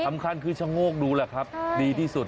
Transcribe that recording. สำคัญคือชะโงกดูแหละครับดีที่สุด